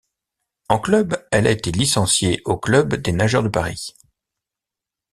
En club, elle a été licenciée au Club des nageurs de Paris.